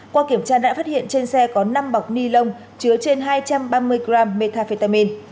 qua kiểm tra đã phát hiện trên xe có năm bọc ni lông chứa trên hai trăm ba mươi g metafetamin